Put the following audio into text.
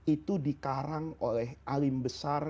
itu di karang oleh alim besar